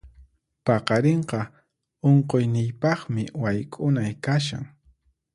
Paqarinqa unquqniypaqmi wayk'unay kashan.